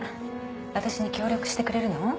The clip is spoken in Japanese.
私に協力してくれるの？